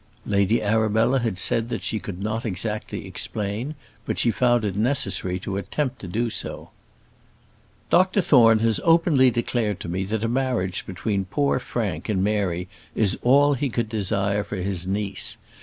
Lady Arabella had said that she could not exactly explain: but she found it necessary to attempt to do so. "Dr Thorne has openly declared to me that a marriage between poor Frank and Mary is all he could desire for his niece.